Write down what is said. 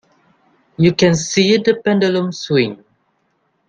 You can see the pendulum swing.